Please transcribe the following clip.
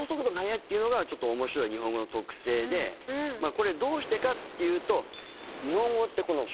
これどうしてかっていうと。